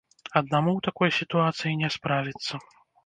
Аднаму ў такой сітуацыі не справіцца.